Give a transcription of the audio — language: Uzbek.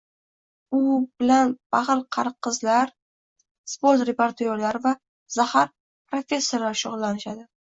U bilan baxil qariqizlar, sport reportyorlari va zahar professorlar shug‘ullanishadi